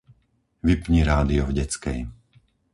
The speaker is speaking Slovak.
Vypni rádio v detskej.